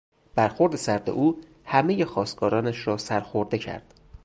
برخورد سرد او همهی خواستگارانش را سرخورده کرد.